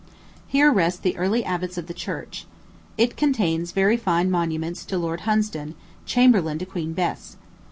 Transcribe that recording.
Here rest the early abbots of the church. It contains a very fine monument to Lord Hunsdon, chamberlain to Queen Bess.